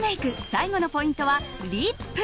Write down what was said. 最後のポイントはリップ。